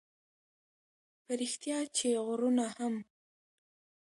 په رښتیا چې غرونه هم